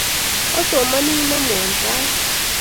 Asomin inomwo tait.